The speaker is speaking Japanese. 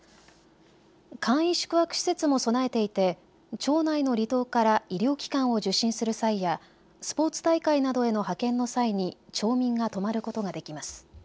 簡易宿泊施設も備えていて町内の離島から医療機関を受診する際やスポーツ大会などへの派遣の際に町民が泊まることができます。